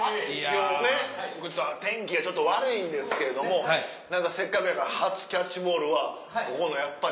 今日ね天気が悪いんですけどもせっかくやから初キャッチボールはここのやっぱり。